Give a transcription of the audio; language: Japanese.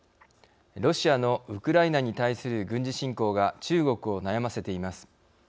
ロシアのウクライナに対する軍事侵攻が中国を悩ませています。